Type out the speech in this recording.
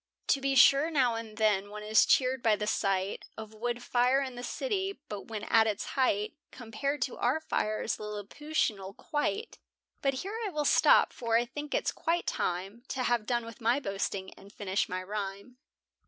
To be sure, now and then, one is cheered by the sight Of wood fire in the city, but when at its height Compared to our fires, Lilliputianal quite. But here I will stop, for I think it quite time To have done with my boasting, and finish my rhyme.